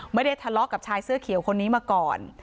ไม่ได้ทะเลาะกับชายเสื้อเขียวคนนี้มาก่อน